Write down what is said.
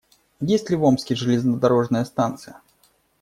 Есть ли в Омске железнодорожная станция?